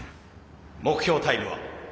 目標タイムは？